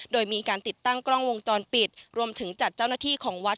โดยมีการติดตั้งกล้องวงจรปิดรวมถึงจัดเจ้าหน้าที่ของวัด